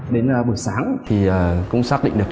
đến buổi sáng thì cũng xác định được